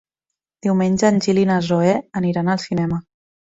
Diumenge en Gil i na Zoè aniran al cinema.